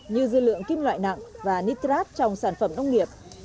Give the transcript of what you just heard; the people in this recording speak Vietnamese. như dư lượng kim loại nặng và nitrap trong sản phẩm nông nghiệp